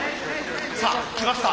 さあきました！